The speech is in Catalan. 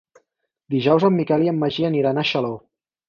Dijous en Miquel i en Magí aniran a Xaló.